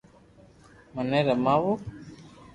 مني رماوُ